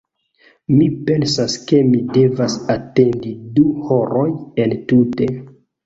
Mi pensas ke mi devas atendi du horoj entute